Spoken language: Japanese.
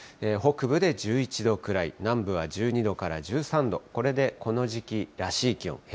北部で１１度くらい、南部は１２度から１３度、これでこの時期らしい気温。